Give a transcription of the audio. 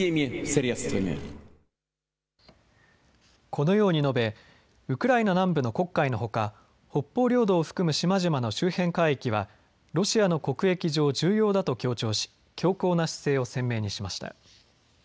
このように述べ、ウクライナ南部の黒海のほか北方領土を含む島々の周辺海域はロシアの国益上、重要だと強調し強硬な姿勢を鮮明にしました。